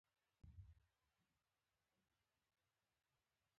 جميله ما ته مسکی شول او وخندل.